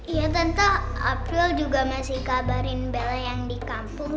iya tentu april juga masih kabarin bele yang di kampung